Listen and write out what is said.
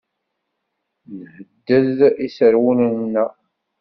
Nḥedded iserwalen-nneɣ.